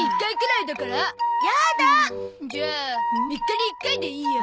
じゃあ３日に１回でいいや。